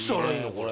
これ。